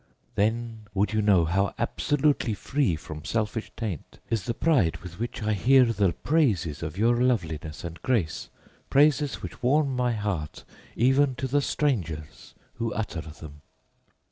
Then would you know how absolutely free from selfish taint is the pride with which I hear the praises of your loveliness and grace, praises which warm my heart even to the strangers who utter them!